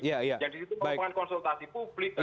yang di situ pembahasan konsultasi publik